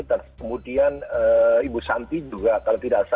dan kemudian ibu santi juga kalau tidak salah